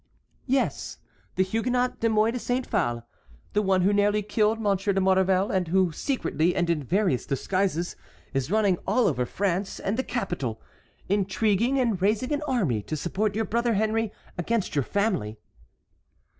"Yes, the Huguenot De Mouy de Saint Phale; the one who nearly killed Monsieur de Maurevel, and who, secretly and in various disguises, is running all over France and the capital, intriguing and raising an army to support your brother Henry against your family."